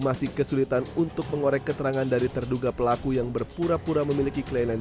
masih kesulitan untuk mengorek keterangan dari terduga pelaku yang berpura pura memiliki kelainan